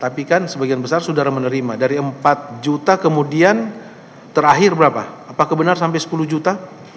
tapi kan sebagian besar saudara menerima dari empat juta kemudian terakhir berapa apakah benar sampai sepuluh juta